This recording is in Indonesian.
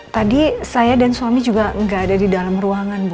tadi saya dan suami juga nggak ada di dalam ruangan bu